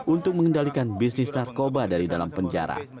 untuk mengendalikan bisnis narkoba dari dalam penjara